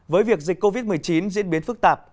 với việc dịch covid một mươi chín diễn biến phức tạp